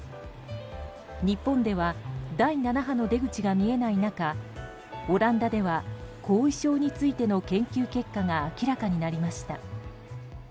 日本では第７波の出口が見えない中オランダでは後遺症についての研究結果が明らかになりました。